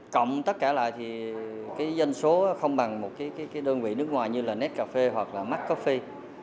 cộng tất cả lại thì cái danh số không bằng một cái đơn vị nước ngoài như là net cà phê hoặc là mac coffee